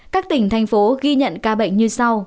các tỉnh thành phố ghi nhận ca bệnh như sau